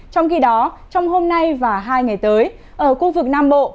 trong khi đó trong hôm nay và hai ngày tới ở khu vực nam bộ